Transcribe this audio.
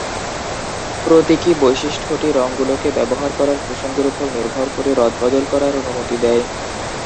"প্রতীকী" বৈশিষ্ট্যটি রংগুলোকে ব্যবহার করার প্রসঙ্গের ওপর নির্ভর করে রদবদল করার অনুমতি দেয়।